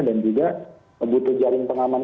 dan juga butuh jaring pengaman